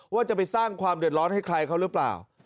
ว่าจะไปสร้างความเดือดร้อนให้ใครเขาหรือเปล่า